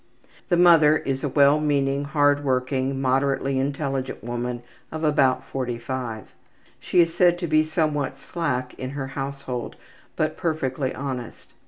'' The mother is a well meaning, hard working, moderately intelligent woman of about 45. She is said to be somewhat slack in her household, but perfectly honest.